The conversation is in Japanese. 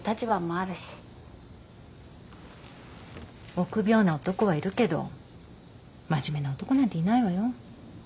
臆病な男はいるけど真面目な男なんていないわよ。